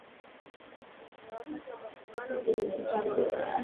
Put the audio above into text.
kwa wakati wa maandamano na kwenye mkutano na baada